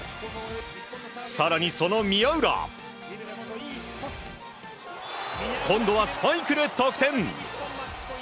更に、その宮浦が今度はスパイクで得点。